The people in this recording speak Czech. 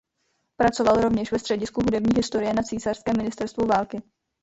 Pracoval rovněž ve středisku hudební historie na "Císařském ministerstvu války".